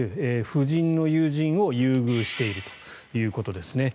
夫人の友人を優遇しているということですね。